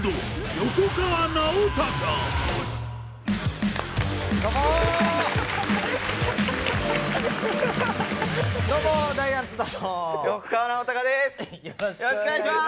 よろしくお願いします。